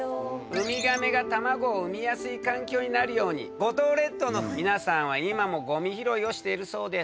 うみがめが卵を産みやすい環境になるように五島列島の皆さんは今もごみ拾いをしているそうです。